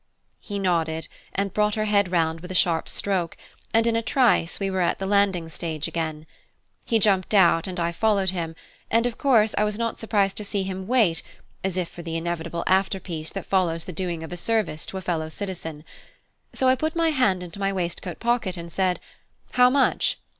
He nodded, and brought her head round with a sharp stroke, and in a trice we were at the landing stage again. He jumped out and I followed him; and of course I was not surprised to see him wait, as if for the inevitable after piece that follows the doing of a service to a fellow citizen. So I put my hand into my waistcoat pocket, and said, "How much?"